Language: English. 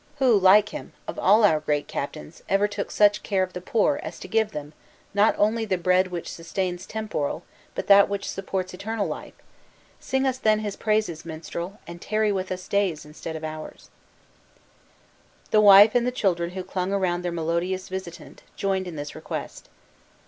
Who like him, of all our great captains, ever took such care of the poor as to give them, not only the bread which sustains temporal, but that which supports eternal life? Sing us then his praises, minstrel, and tarry with us days instead of hours." The wife, and the children who clung around their melodious visitant, joined in this request.